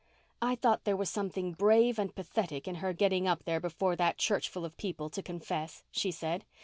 "I thought there was something brave and pathetic in her getting up there before that churchful of people, to confess," she said.